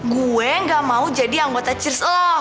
gue gak mau jadi anggota cheers oh